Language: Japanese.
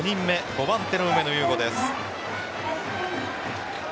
５番手の梅野雄吾です。